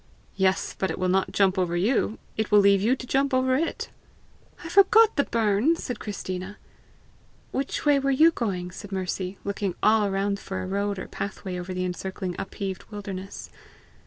"Yes; but it will not jump over you; it will leave you to jump over it!" "I forgot the burn!" said Christina. "Which way were you going?" asked Mercy, looking all around for road or pathway over the encircling upheaved wildernesses.